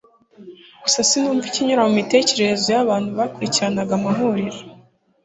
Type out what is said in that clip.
Gusa sinumva ikinyura mumitekerereze yabantu bakurikirana amahuriro